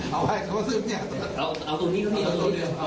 หกสิบล้าน